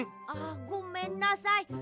あっごめんなさい。